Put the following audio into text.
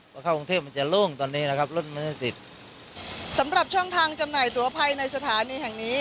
พอเข้ากรุงเทพมันจะโล่งตอนนี้นะครับรถมันจะติดสำหรับช่องทางจำหน่ายตัวภัยในสถานีแห่งนี้